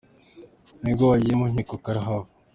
Nibwo bagiye mu nkiko karahava !